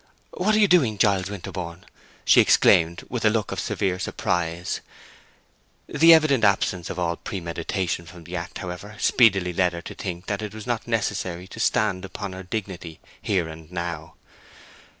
"What are you doing, Giles Winterborne!" she exclaimed, with a look of severe surprise. The evident absence of all premeditation from the act, however, speedily led her to think that it was not necessary to stand upon her dignity here and now.